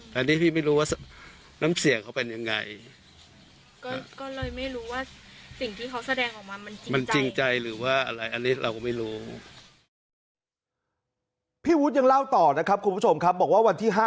อันนี้พี่ไม่รู้ว่าน้ำเสียงเขาเป็นยังไง